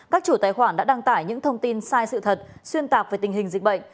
các chủ tài khoản đã đăng tải những thông tin sai sự thật xuyên tạc về tình hình dịch bệnh